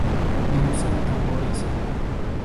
No usan tambores.